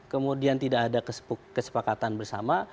kemudian tidak ada kesepakatan bersama